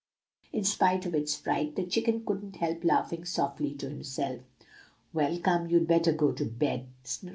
In spite of its fright, the chicken couldn't help laughing softly to itself. "'Well, come, you'd better go to bed!